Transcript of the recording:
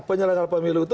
penyelenggar pemilu itu